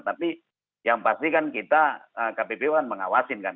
tapi yang pasti kan kita kppu kan mengawasin kan